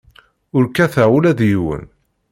Ur kkateɣ ula d yiwen.